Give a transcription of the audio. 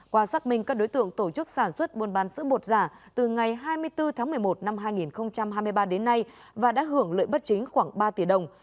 qua xác minh các đối tượng tổ chức sản xuất buôn bán sữa bột giả từ ngày hai mươi bốn tháng một mươi một năm hai nghìn hai mươi ba đến nay và đã hưởng lợi bất chính khoảng ba tỷ đồng